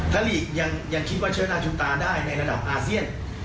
ถ้าลีกยังคิดว่าเชื้อนาชูตาได้ในระดับอาเซียน